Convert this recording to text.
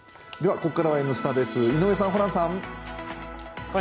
ここからは「Ｎスタ」です、井上さん、ホランさん。